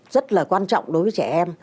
rất là quan trọng đối với trẻ em